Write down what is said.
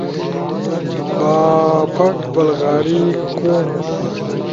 بافٹ، بلغاری، کوم